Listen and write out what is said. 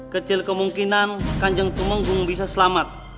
kecil kemungkinan kanjeng tumenggung bisa selamat